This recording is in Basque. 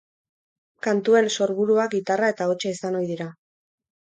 Kantuen sorburua gitarra eta ahotsa izan ohi dira.